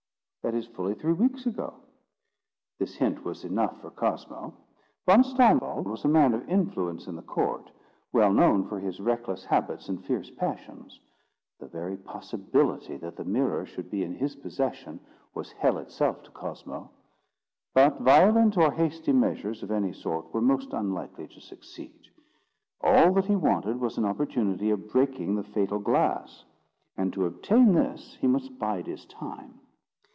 That is fully three weeks ago." This hint was enough for Cosmo. Von Steinwald was a man of influence in the court, well known for his reckless habits and fierce passions. The very possibility that the mirror should be in his possession was hell itself to Cosmo. But violent or hasty measures of any sort were most unlikely to succeed. All that he wanted was an opportunity of breaking the fatal glass; and to obtain this he must bide his time.